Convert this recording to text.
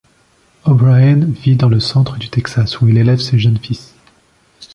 O'Brien vit dans le centre du Texas, où il élève ses jeunes fils.